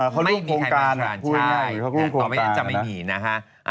เขาร่วมโครงการพูดง่ายเขาร่วมโครงการจะไม่มีนะคะ